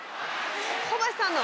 小橋さんの。